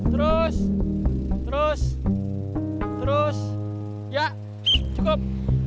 terus terus ya cukup